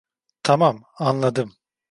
Tamam, anladım.